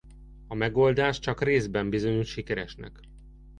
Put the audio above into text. A megoldás csak részben bizonyult sikeresnek.